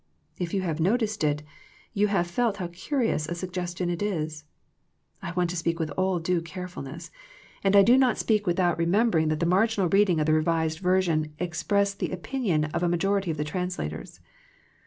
'" If you have noticed it, you have felt how curious a suggestion it is. I want to speak with all due carefulness, and I do not speak with THE PLANE OF PEAYEE 91 out remembering that the marginal readings of the Kevised Version express the opinion of a ma jority of the translators.